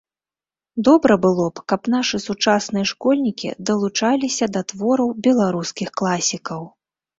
Добра было б, каб нашы сучасныя школьнікі далучаліся да твораў беларускіх класікаў.